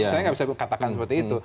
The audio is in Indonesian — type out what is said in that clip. saya nggak bisa katakan seperti itu